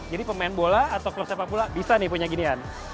jadi pemain bola atau klub sepak pula bisa nih punya ginian